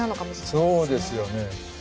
そうですよね。